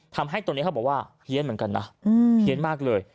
ทำให้ตอนนี้เขาบอกว่าเพี้ยนเหมือนกันนะเฮียนมากเลย